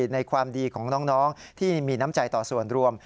ในความดีของน้องที่มีน้ำใจต่อส่วนรวม